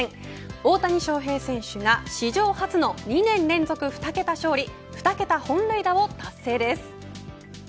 大谷翔平選手が史上初の２年連続２桁勝利２桁本塁打を達成です。